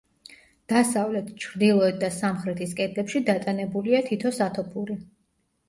დასავლეთ, ჩრდილოეთ და სამხრეთის კედლებში დატანებულია თითო სათოფური.